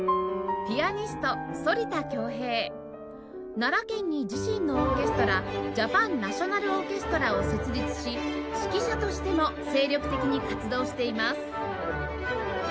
奈良県に自身のオーケストラジャパン・ナショナル・オーケストラを設立し指揮者としても精力的に活動しています